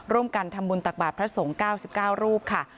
ร่วมกันทำบุญตักบาทพระสงฆ์๙๙รูปค่ะ